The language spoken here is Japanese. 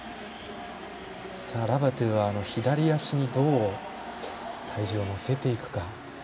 ラバトゥは左足にどう体重を乗せていくか。